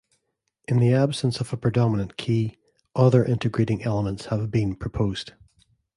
In the absence of a predominant key, other integrating elements have been proposed.